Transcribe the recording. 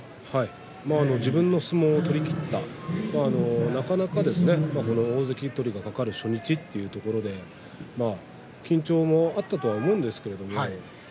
自分の相撲を取りきったなかなか大関取りがかかる初日ということで緊張もあったと思います。